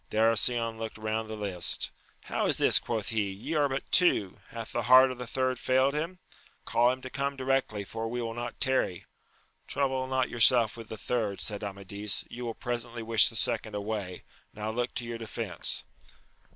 Darar sion looked round the lists : How is this ? quoth he ; ye are but two ! hath the heart of the third failed himl call him to come directly, for we will not tarry. Trouble not yourself about the third, said Amadis, you will presently wish the second away : now look to your defence